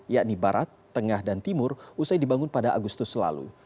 yakni barat tengah dan timur usai dibangun pada agustus lalu